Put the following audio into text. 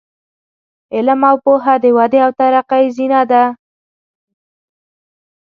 علم او پوهه د ودې او ترقۍ زینه ده.